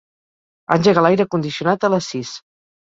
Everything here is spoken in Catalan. Engega l'aire condicionat a les sis.